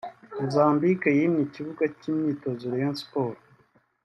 #Mozambique yimye ikibuga cy'imyitozo Rayons Sport